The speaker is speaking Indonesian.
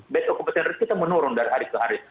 bad occupation rate kita menurun dari hari ke hari